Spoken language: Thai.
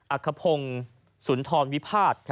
อัคพงสุนทรวมวิพาท